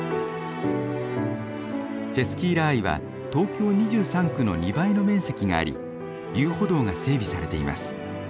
チェスキーラーイは東京２３区の２倍の面積があり遊歩道が整備されています。